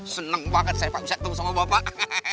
seneng banget saya bisa ketemu sama bapak